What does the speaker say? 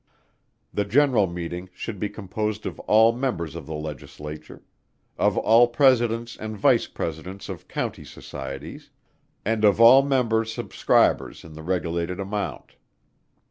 The general meeting should be composed of all Members of the Legislature; of all Presidents and Vice Presidents of County Societies, and of all members subscribers in the regulated amount.